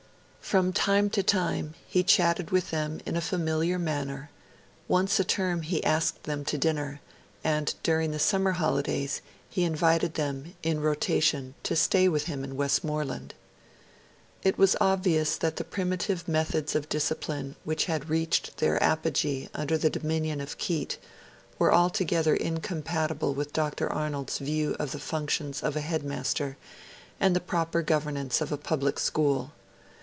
From time to time, he chatted with them in a familiar manner; once a term he asked them to dinner; and during the summer holidays he invited them, in rotation, to stay with him in Westmorland. It was obvious that the primitive methods of discipline which had reached their apogee under the dominion of Keate were altogether incompatible with Dr. Arnold's view of the functions of a headmaster and the proper governance of a public school.